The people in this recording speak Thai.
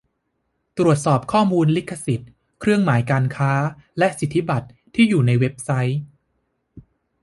ตรวจสอบข้อมูลลิขสิทธิ์เครื่องหมายการค้าและสิทธิบัตรที่อยู่ในเว็บไซต์